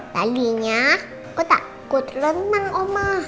tadinya aku takut renang omah